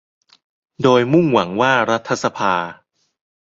โดยมุ่งหวังว่ารัฐสภา